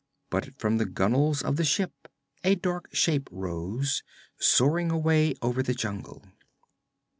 But from the gunwales of the ship a dark shape rose, soaring away over the jungle.